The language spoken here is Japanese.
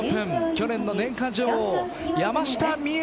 去年の年間女王、山下美夢